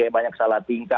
banyak salah tingkat